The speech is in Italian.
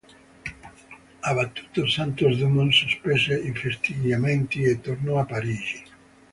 Abbattuto, Santos-Dumont sospese i festeggiamenti e tornò a Parigi.